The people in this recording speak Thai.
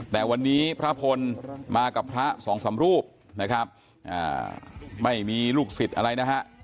แต่วันนี้พระพลมากับพระสองสำรูปไม่มีลูกศิษย์อะไร